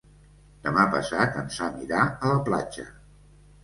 Demà passat en Sam irà a la platja.